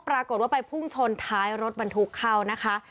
ปรากฏว่าไปพุ่งชนท้ายรถบรรทุกเข้านะคะ